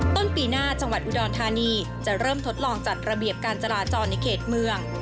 ต้นปีหน้าจังหวัดอุดรธานีจะเริ่มทดลองจัดระเบียบการจราจรในเขตเมือง